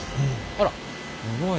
あらすごい。